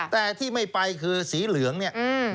แต่ที่ไม่ไปคือสีเหลืองเนี่ย